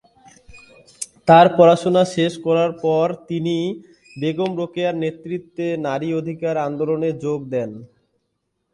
তার পড়াশুনা শেষ করার পর তিনি বেগম রোকেয়ার নেতৃত্বে নারী অধিকার আন্দোলনে যোগ দেন।